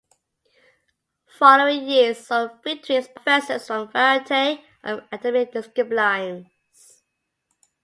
Following years saw victories by professors from a variety of academic disciplines.